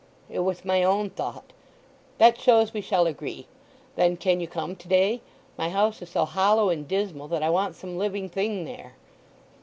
"It was my own thought." "That shows we shall agree. Then can you come to day? My house is so hollow and dismal that I want some living thing there."